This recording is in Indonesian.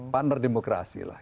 partner demokrasi lah